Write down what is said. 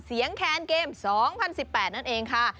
เสียงแขนเกม๒๐๑๘นั่นเองค่ะ